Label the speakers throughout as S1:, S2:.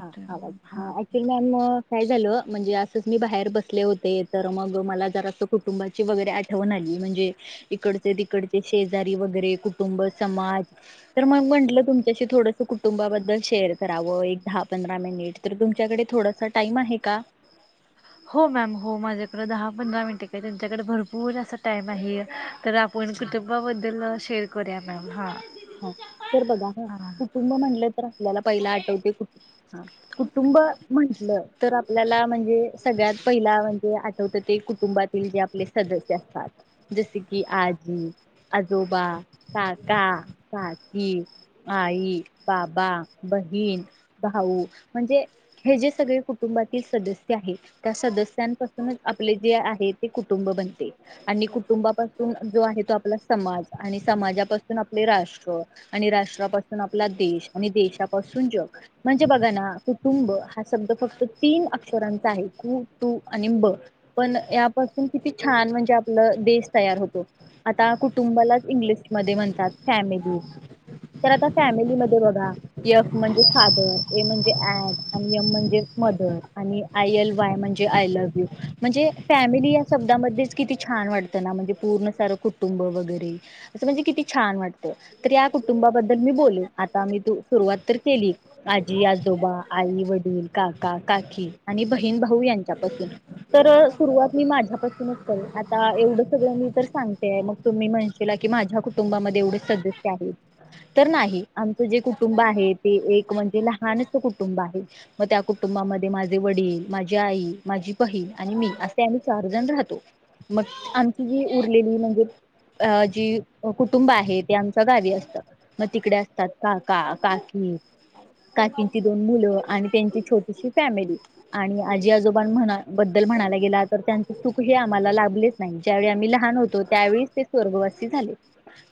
S1: हा आवाज, actually ma'am म काय झालं म्हणजे असंच मी बाहेर बसले होते, तर मग मला जर अस कुटुंबाची वगैरे आठ आठवन आली म्हणजे इकडचे- तिकडचे शेजारी वगैरे कुटुंब, समाज तर मग म्हंटलं तुमच्याशी थोडं कुटुंबाबद्दल शेअर करावं, एक- दहा पंधरा मिनिट तर तुमच्याकडे थोडासा टाइम आहे का?
S2: हो, मॅम हो माझ्याकडं दहा -पंधरा मिनिटे काय त्यांच्याकडे भरपूर असा टाइम आहे, तर आप आपण कुटुंबाबद्दल शेअर करूया मॅम, हा
S1: हा, तर बघा कुटुंब म्हणलं तर आपल्याला पहिला आठवते कुटुंब.. म्हटलं तर आपल्याला म्हणजे सगळ्यात पहिला म्हणजे आठवतं ते कुटुंबातील जे आपले सदस्य असतात. जसे की आजी, आजोबा, काका काकी, आई -बाबा, बहीण, भाऊ. म्हणजे हे जे सगळे कु कुटुंबातील सदस्य आहे, त्या सदस्यांपासूनच आपले जे आहे ते कुटुंब बनते. आणि कुटुंबापासून जो आहे तो आपला समाज आणि समाजापासून आपले राष्ट्र बर... आणि राष्ट्रापासून आपला देश आणि देशापासून जग म्हणजे बघा ना कुटुंब हा शब्द फक्त तीन अक्षरांचा आहे, कु तू आणि ब पण यापासून किती छान म्हणजे आपलं देश तयार होतो. आता कुटुंबालाच इंग्लिशमध्ये म्हणतात फॅमिली तर आता फॅमिली मधे बघा यफ म्हणजे फादर, ए म्हणजे ऍड आणि एम म्हणजे मदर आणि आय एल वाय म्हणजे आय लव्ह यू. म्हणजे फॅमिली या शब्दामध्येच किती छान वाटतं ना, म्हणजे पूर्ण सारं कुटुंब वगैरे. असं म्हणजे किती छान वाटतं, तर या कुटुंबाबद्दल मी बोलेन. आता आम्ही तू सुरुवात तर केली. आजी, आजोबा, आई, वडील, काका, काकी आणि बहीण, भाऊ यांच्यापासून तर सुरुवात मी माझ्यापासूनच करेन, आता एवढं सगळं मी तर सांगतेय मग तुम्ही म्हणशीला की, माझ्या कुंबामध्ये एवढे सदस्य आहेत, तर नाही. आमचं जे कुटुंब आहे ते एक म्हणजे लहान असं कुटुंब आहे. मग त्या कुटुंबामध्ये माझे वडील, माझी आई माझी बहीण आणि मी, असे आम्ही चार जण राहतो. मग आमची जी उरलेली म्हणजे अ जी कुटुंब आहेत ते आमचं गावी असतं. मग तिकडे असतात काका काकी, त्या काकींची दोन मुलं आणि त्यांची छोटीशी फॅमिली. आणि आजी आजोबां म्हण बद्दल म्हणायला गेला तर, त्यांचे सुखही आम्हाला लाभलेच. त्यांच्यावेळी आम्ही लहान होतो, त्यावेळी ते स्वर्गवासी झाले.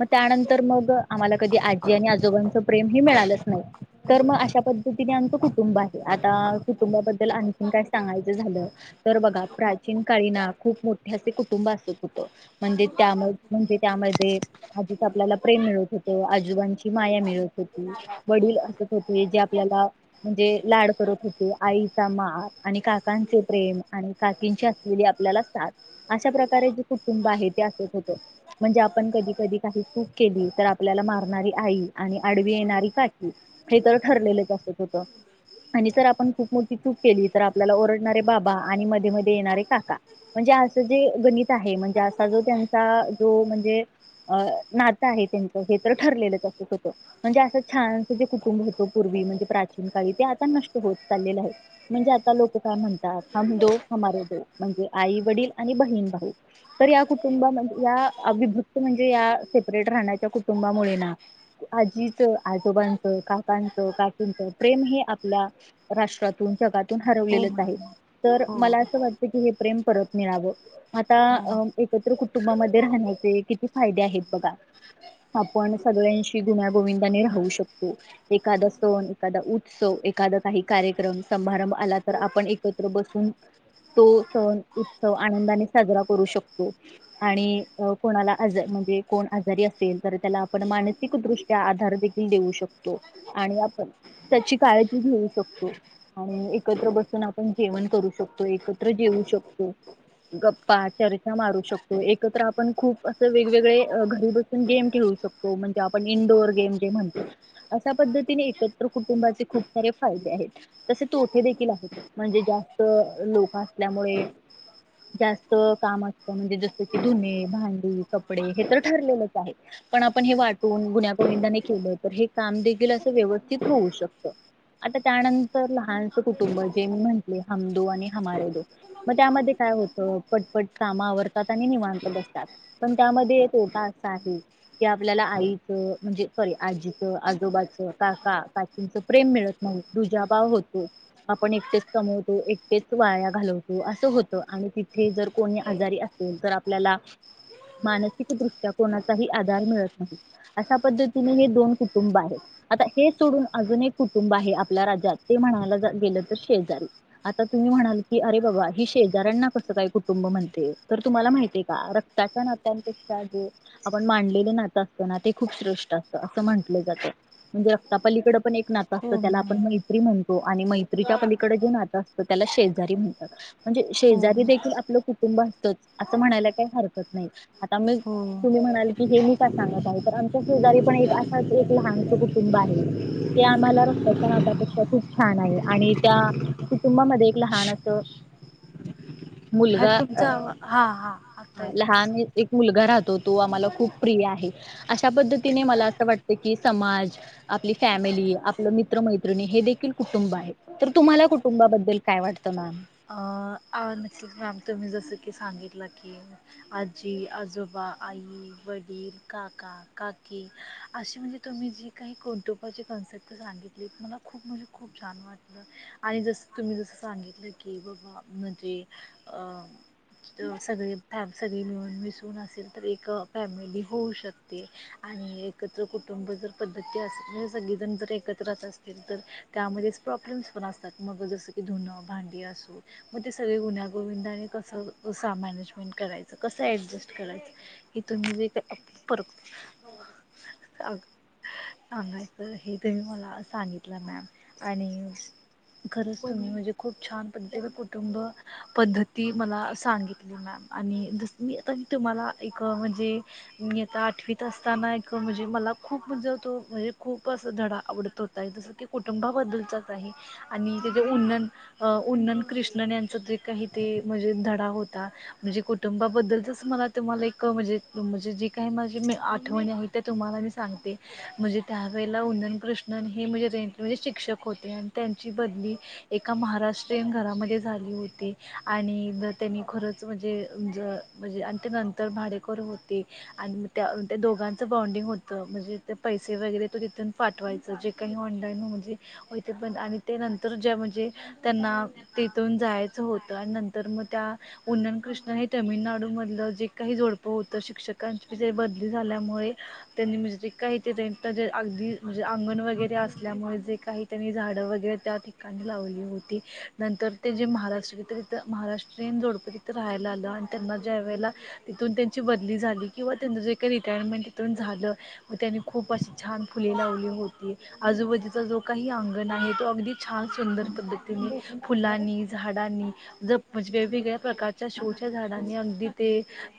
S1: मग त्यानंतर तर मग आम्हाला कधी आजी आणि आजोबांचं प्रेम हे मिळालंच नाही. तर मग अशा पद्धतीने आमचं कुटुंब आहे. आता कुटुंबाबद्दल आणखीन काय सांगायचं झालं, तर बघा प्राचीन काळी ना खूप मोठे असे कुटुंब असत होतं म्हणजे त्या मध म्हणजे त्यामध्ये आधीच आपल्याला प्रेम मिळत होतं, आजोबांची माया मिळत होती. वडील असत होते, जे आपल्याला म्हणजे लाड करत होते. आईचा मार आणि काकांचे प्रेम आणि काकींची असलेली आपल्याला साथ अशा प्रकारे जे कुटुंब आहे ते असत होतो म्हणजे आपण कधी कधी काही चुक केली तर आपल्याला मारणारी आई आणि आडवी येणारी काकी हे तर ठरलेलेचं असत होतं. का? आणि जर आपण खूप मोठी चूक केली, तर आपल्याला ओरडणारे बाबा आणि मध्ये मध्ये येणारे काका. म्हणजे असं जे गणित आहे म्हणजे असा जो त्यांचा जो म्हणजे अ ना तं आहे त्यांच हे तर ठरलेलंच असंत होतं. म्हणजे असं छान जे कुटुंब होतो पूर्वी म्हणजे प्राचीन काळी, ते आता नष्ट होत चाललेलं आहे. म्हणजे आता लोकं काय म्हणतात, हम दो हमारे दो म्हणजे आई वडील आणि बहीण भाऊ. तर या कुटुंबा या अविभक्त म्हणजे या सेपरेट राहण्याच्या कुटुंबामुळे ना आजीचं, आजोबांचं, काकांचं, काकींच प्रेम हे आपल्या राष्ट्रातून, जगातून हरवलेलंच आहे. तर मला असं वाटतं की, हे प्रेम परत मिळावं. मग आता एकत्र कुटुंबामध्ये राहण्याचे किती फायदे आहेत बघा आपण सगळ्यांशी गुन्या गोविंदाने राहू शकतो एखादं सण, एखादा उत्सव, एखादं काही कार्यक्रम, समारंभ आला तर आपण एक एकत्र बसून तो सण, उत्सव आनंदाने साजरा करू शकतो. आणि कोणाला आजा म्हणजे कोण आजारी असेल तर त्याला आपण मानसिकदृष्ट्या आधार देखील देऊ शकतो आणि आपण त्याची काळजी घेऊ शकतो. आणि एकत्र बसून आपण जेवण करू शकतो, एकत्र जेवू शकतो. गप्पा चर्चा मारू शकतो. एकत्र आपण खूप असं, वेगवेगळे घरी बसून गेम खेळू शकतो म्हणजे आपण इंनडोअर गेम जे म्हणतो अशा पद्धतीने एकत्र कुटुंबाचे खूप सारे फायदे आहेत. तसे तोठे देखील आहेत. म्हणजे जास्त लोक असल्यामुळे जास्त काम असतं. म्हणजे जसं की धुने, भांडी, कपडे हे तर ठरलेलच आहे. पण आपण हे वाटून गुण्यागोविंदाने केलं तर हे काम देखील असं व्यवस्थित होऊ शकतं. आता त्यानंतर लहानचं कुटुंब जे मी म्हटले हम दो आणि हमारे दो मग त्यामध्ये काय होतं पटपट काम आवरतात. आणि निवांत बसतात. पण त्यामध्ये का असा हे की आपल्याला आईचं म्हणजे सॉरी आजीचं, आजोबाच, काका, काकीचं प्रेम मिळत नाही. दुजाभाव होतो. आपण एकटेच कमवतो. एकटेच वाया घालवतो असं होतं. आणि तिथे जर कोणी आजारी अस तो तर आपल्याला मानसिक दृष्ट्या कोणाचाही आधार मिळत नाही. अशा पद्धतीने हे दोन कुटुंब आहेत. आता हे सोडून अजून एक कुटुंब आहे आपल्या राज्यात. ते म्हणायला गेलं तर शेजारी आता तुम्ही म्हणाल की, अरे बाबा ही शेजऱ्यांना कसं काही कुटुंब म्हणते. तर तुम्हाला माहितय का रक्तात त्या नात्यांपेक्षा जे आपण मांनलेलं नातं असतं ना, ते खूप श्रेष्ठ असतं असं म्हटलं जातं. म्हणजे रक्तापलीकडे पण एक नातं असतं त्याला आपण मैत्री म्हणतो. आणि मैत्रीच्या पलीकडे जे नातं असत त्याला शेजारी म्हणतात. म्हणजे शेजारी देखील आपलं खूप कुटुंब असतोच असं म्हणायला काही हरकत नाही. आता मी मी म्हणाले की हे हि का सांगत आहे आमच्या शेजारी पण एक असा एक लहानसं कुटुंब आहे. ते आम्हाला रक्ताच्या नात्यापेक्षा खूप छान आहे. आणि त्या कुटूंबामध्ये एक लहान असं
S2: हा तुमचा आवा हा हा,
S1: हा लहान ए एक मुलगा राहतो. तो आम्हाला खूप प्रिय आहे. अशा पद्धतीने मला असं वाटत की, समाज, आपली फॅमिली, आपलं मित्रमैत्रिणी हे देखील कुटुंब आहे. तर तुम्हाला कुटुंबाबद्दल काय वाटतं मॅम.
S2: अ आणेस्टली सागतो मी जसं की सांगितलं की, आजी-आजोबा, आई-वडील, काका-काकी अशी म्हणजे तुम्ही जी काही कुटुबाचे कन्सेप्ट सांगितली. मला खूप म्हणजे खूप छान वाटलं. आणि जसं तुम्ही जसं सांगितलं की, बाबा म्हणजे अ सगळे फॅम सगळी मिळून मिसळून असेल तर एक फॅमिली होऊ शकते. आणि एकत्र कुटुंब जर पद्धती असलीन सगळीकण जर एकत्र अस एकतर त्यामध्ये प्रॉब्लेमस पण असतात. मग जसं की धुणं भांडी असो मग ते सगळे गुण्यागोविंदाने कसं सामा मॅनेजमेंट करायचं. कसं ऍडजस्ट करायचं. इथून नेली का अप पर अग सांगायचं हे कमी मला सांगितलं मॅम आणि खरंच तुम्ही म्हणजे खूप छान पद्धतीने कुटुंब पद्धती मला सांगितली मॅम. आणि धस मी आता तुम्हाला एक म्हणजे मी इयत्ता आठवीत असताना एक म्हणजे मला खूप म्हणजे तो म्हणजे खूप अस धडा आवडतो. ताई तसं की कुटुंबाबद्दलचाच आहे. आणि त्याचे उन्नन उन्नन कृष्णन यांचं जे काही ते म्हणजे धडा होता. म्हणजे कुटुंबाबद्दलचच मला तुम्हाला एक म्हणजे म्हणजे जी काही माझी आठवणी आहेत. ते तुम्हाला मी सांगते. म्हणजे त्यावेेळेला उधन कृष्णन हे म्हणजे रेंटररी म्हणजे शिक्षक होते आणि त्यांची बदली एका महाराष्ट्र टेन घरामध्ये झाली होती आणि त्यांनी खरंच म्हणजे ज म्हणजे आणि ते नंत तर भाडेकरू होते आणि मग त्या दोघांचं बॉन्डिंग होतं म्हणजे ते पैसे वगैरे तो तिथून पाठवायचा जे काही ऑनलाईन म्हणजे हो ते पण आणि ते नंतर जे म्हणजे त्यांना तिथून जायचं होतं आणि नंतर मग त्या उन्ननकृष्ण हे तामिळनाडूमधलं जे काही जोडप होतं शिक्षकांची जे काही जे बदली झाल्यामुळे त्यांनी म्हणजे जे काही ते त्यां अगदी म्हणजे अंगण वगैरे असल्यामुळे जे काही‍ त्यांनी झाडं वगैरे त्या ठिकाणी लावली होती. नंतर ते जे महाराष्ट्राथर तिथं महाराष्ट्र ट्रेन जोडपं तिथं राहायला आलं आणि त्यांना ज्या वेळेला तिथून त्यांची बदली झाली किंवा त्यांचं जे काही रिटायरमेंट तिथून झालं मग त्यानी खूप अशी छान फुले लावली होती. आजूबाजूचा जो काही अंगण आहे तो अगदी छान सुंदर पद्धतीने फुलानी झाडांनी जफ म्हणजे वेगवेगळ्या प्रकारच्या शो झाडांनी अगदी ते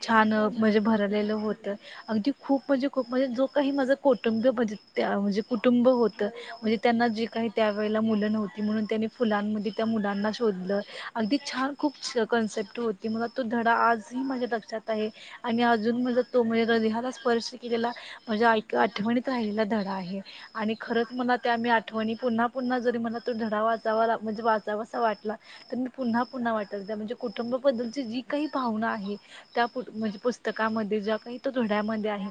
S2: छान म्हणजे भरलेलं होतं. अगदी खूप म्हणजे खूप म्हणजे जो काही माझं कोटोंबी म्हणजे म्हणजे कुटुंब होतं म्हणजे त्यांना जी काही त्यावेेळेला मुलं नव्हती म्हणून त्यांनी फुलांनमध्ये त्या मुलांना शोधलं अगदी छान खूप कॅन्सेप्ट होती मग तो धडा आजही माझ्या ल क्षात आहे आणि अजून माझ्या तो म्हणजे हृदेहाला स्पर्श केलेला म्हणज्या ऐक आठवणीत राहिलेला धडा आहे. आणि खरंच मला त्या मी आठवणी पुन्हा पुन्हा जरी मला तो धडा वाचावा म्हणजेवाचा जायवसा वाटला तर मी पुन्हा पुन्हा वाटलं म्हणजे कुटुंब पध्दती ची जी काही भावना आहे त्या म्हणजे पुस्तकामध्ये ज्या काही तो धड्यामध्ये आहे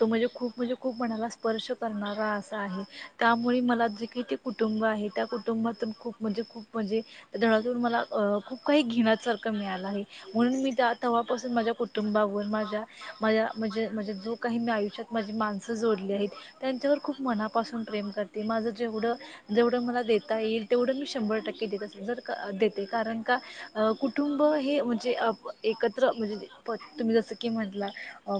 S2: तो म्हणजे खूप म्हणजे खूप खूप मणाला स्पर्श करणारा असा आहे. त्यामुळे मला जे काही ते कुटुंब आहे त्या कुटुंबातून खूप म्हणजे खूप म्हणजे त्या धडातून मला अ खूप काही घेण्यासारखं मिळालं आहे. म्हणून मी त्या तेव्हापासून माझ्या कुटुंबावर माझ्या माझ्या म्हणजे माजे जो को काही मी आयुष्यात मीझी माणसं जोडली आहेत त्यांच्यावर खूप मनापासून प्रेम करते माझं जेवढं जेवढं मला देता येईल तेवढं मी शंभर टक्के देत असते देते कारण का कुटुंब हे म्हणजे एकत्र म्हणजे‍ प तुम्ही जसं की म्हटला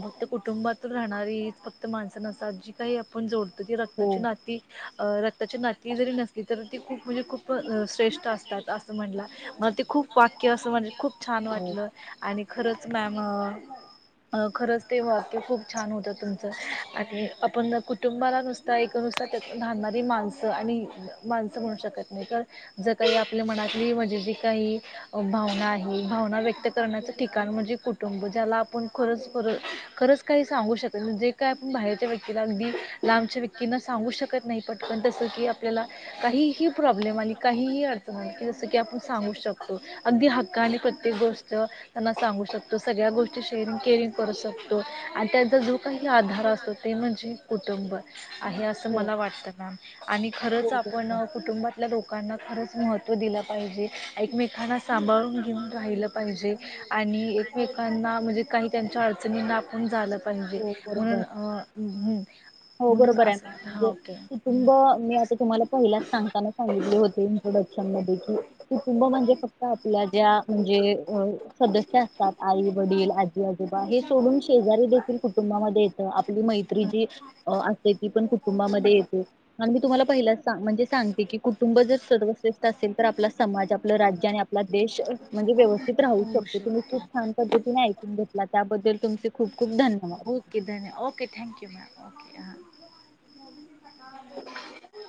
S2: फक्त कुटुंबातून राहणारी फक्त माणसं नसतात जी काही आपण जोडतो ती रक्ताची नाती रक्ताची नाती जरी नसली तर ती खूप म्हणजे खूप प श्रेष्ठ असतात असं म्हटला मला ते खूप वाक्य असं म्हण खूप छान वाटलं. आणि खरंच मॅम खरंच ते ते खूप छान होतं तुमचं आणि आपण कुटुंबाला नुसता एक नुसता त्यात राहणारी माणसं आणि माणसं म्हणू शकत नाही कारण जर काही आपल्या मनातली म्हणजे जी काही भावना आहे भावना व्यक्त करण्याचं ठिकाण म्हणजे कुटुंब ज्याला आपण खरंच ख खरंच काही सांगू शकत म्हणजे काय आपण बाहेरच्या व्यक्तीला अगदी लांबच्या व्यक्तींना सांगू शकत नाही पटकन पण तसं की आपल्याला काहीही प्रॉब्लेम आणि काही अडचण आली की जसं की आपण सांगू शकतो. अगदी हक्काने प्रत्येक गोष्ट त्यांना सांगू शकतो सगळ्या गोष्टी शेअरिंग केअरिंग करू शकतो आणि त्यांचा जो काही आधार असतो ते म्हणजे कुटुंब आहे असं मला वाटतं ना आणि खरंच आपण कुटुंबात आपल्या लोकांना खरंच महत्त्व दिलं पाहिजे एकमेकांना सांभाळून घेऊन राहिलं पाहिजे. आणि एकमेकांना म्हणजे काही त्यांच्या अडचणींना आपण जालं. हिजे म्हणून अ
S1: हो बरोबर आहे. मॅम म्हणजे कुटुंब मी आता तुम्हाला पहिलाच सांगताना होते इंट्रोडक्शन मध्ये की कुटुंब म्हणजे फक्त आपल्या ज्या म्हणजे सदस्य असतात. आई, वडील आ आजी, आजोबा हे सोडून शेजारी देखील कुटुंबामध्ये येत. आपली मैत्री जी असते ती पण कुटुंबामध्ये येते. आणि मी तुम्हाला पहिल सांग म्हणजे सांगते की कुटुंब जर सर्वश्रेष्ठ असेल तर, आपला समाज, आपलं राज्य, आणि आपला देश म्हणजे व्यवस्थित राहू शकतो. ते तुम्ही खूप छान पद्धतीने ऐकून घेतला. त्याबद्दल तुमचे खूप, खूप धन्यवाद.
S2: ओके ध ओके थँक्यू मॅम ओके हां.
S1: [inaudible] हा